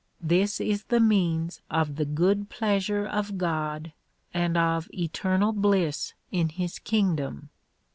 This is the means of the good pleasure of God and of eternal bliss in his kingdom.